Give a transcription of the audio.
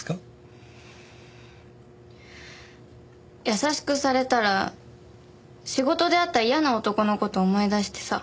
優しくされたら仕事で会った嫌な男の事思い出してさ。